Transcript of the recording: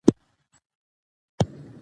که زه هڅه وکړم، مزاج به ښه شي.